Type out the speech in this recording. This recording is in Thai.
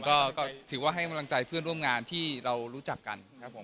ก็ถือว่าให้กำลังใจเพื่อนร่วมงานที่เรารู้จักกันครับผม